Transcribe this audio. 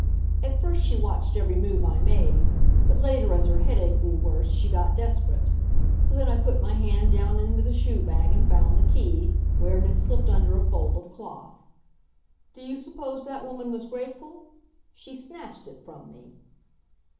At first she watched every move I made, but later, as her headache grew worse, she got desperate. So then I put my hand down into the shoe bag and found the key, where it had slipped under a fold of cloth. Do you suppose that woman was grateful? She snatched it from me.